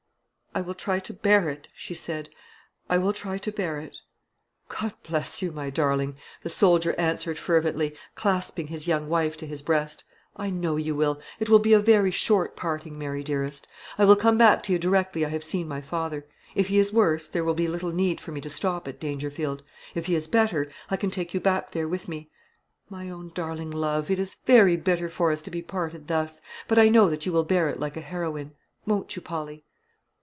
"I will try to bear it," she said; "I will try to bear it." "God bless you, my darling!" the soldier answered fervently, clasping his young wife to his breast. "I know you will. It will be a very short parting, Mary dearest. I will come back to you directly I have seen my father. If he is worse, there will be little need for me to stop at Dangerfield; if he is better, I can take you back there with me. My own darling love, it is very bitter for us to be parted thus; but I know that you will bear it like a heroine. Won't you, Polly?"